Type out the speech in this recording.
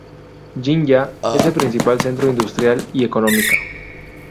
Jinja es el principal centro industrial y económico.